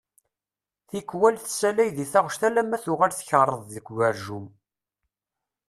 Tikwal tessalay di taɣect alamma tuɣal tkeṛṛeḍ deg ugerjum.